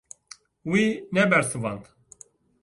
Wî nebersivand.